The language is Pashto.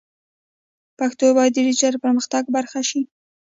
پښتو باید د ډیجیټل پرمختګ برخه شي.